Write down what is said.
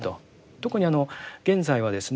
特に現在はですね